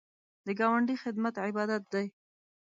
د ګاونډي خدمت عبادت دی